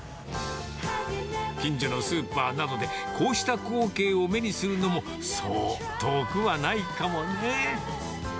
近所のスーパーなどで、こうした光景を目にするのも、そう遠くはないかもね。